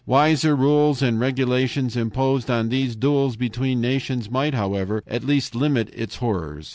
Wiser rules and regulations imposed on these duels between nations might, however, at least limit its horrors.